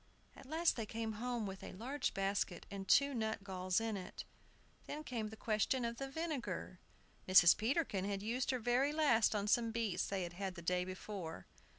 At last they came home with a large basket and two nutgalls in it. Then came the question of the vinegar. Mrs. Peterkin had used her very last on some beets they had the day before.